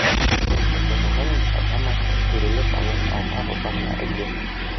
Ҡатынының панамаһын үрелеп алың алма ботағына элде